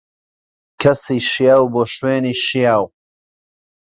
کەسی شیاو، بۆ شوێنی شیاو.